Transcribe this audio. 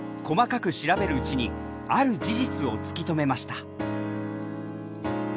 細かく調べるうちにある事実を突き止めました。